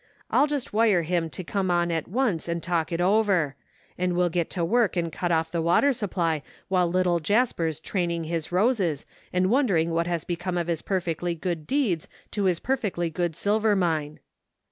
I'll just wire him to come on at once and talk it over, and we'll get to work and cut off the water supply while little Jasper's training his roses and wondering what has become of his perfectly good deeds to his perfectly good silver mine."